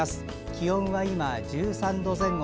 気温は今、１３度前後。